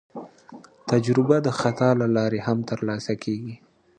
تجربه د خطا له لارې هم ترلاسه کېږي.